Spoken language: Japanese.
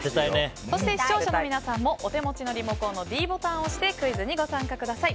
そして、視聴者の皆さんもお手持ちのリモコンのｄボタンを押してクイズにご参加ください。